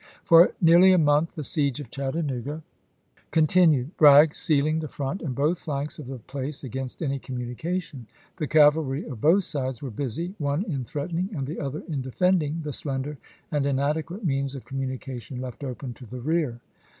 For nearly a month the siege of Chattanooga con tinued, Bragg sealing the front and both flanks of the place against any communication. The cavalry of both sides were busy, one in threatening and the other in defending the slender and inadequate means of communication left open to the rear.